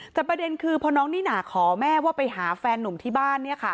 แต่ประเด็นคือพอน้องนิน่าขอแม่ว่าไปหาแฟนนุ่มที่บ้าน